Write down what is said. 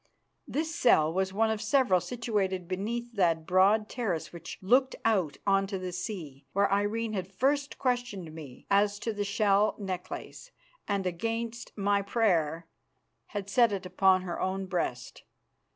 This cell was one of several situated beneath that broad terrace which looked out on to the sea, where Irene had first questioned me as to the shell necklace and, against my prayer, had set it upon her own breast.